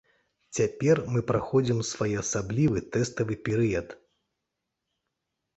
Цяпер мы праходзім своеасаблівы тэставы перыяд.